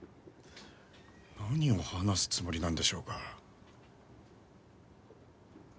何を話すつもりなんでしょうか？